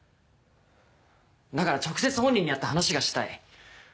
だから直接本人に会って話がしたい。